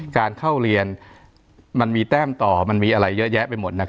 การเข้าเรียนมันมีแต้มต่อมันมีอะไรเยอะแยะไปหมด